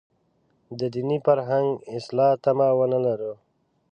د دیني فرهنګ اصلاح تمه ونه لرو.